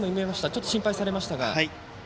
ちょっと心配されましたが。